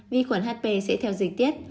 vi khuẩn hp sẽ theo dịch tiết